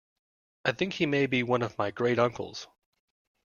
I think he may be one of my great uncles.